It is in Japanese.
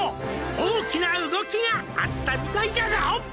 「大きな動きがあったみたいじゃぞ」